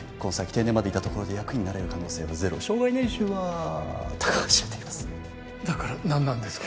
定年までいたところで役員になれる可能性はゼロ生涯年収はたかが知れていますだから何なんですか？